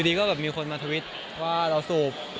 ก็แบบมีคนมาทวิตว่าเราสูบ